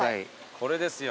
これですよ。